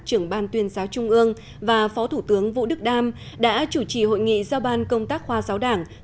trưởng ban tuyên giáo trung ương và phó thủ tướng vũ đức đam đã chủ trì hội nghị giao ban công tác khoa giáo đảng